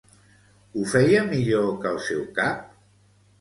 Ho feia millor que el seu cap?